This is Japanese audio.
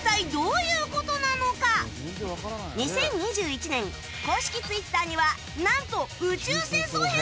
２０２１年公式 Ｔｗｉｔｔｅｒ にはなんと宇宙戦争編の文字が！